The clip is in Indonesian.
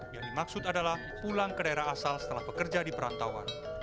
yang dimaksud adalah pulang ke daerah asal setelah bekerja di perantauan